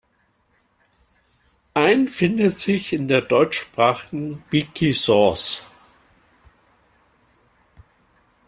Ein findet sich in der deutschsprachigen Wikisource.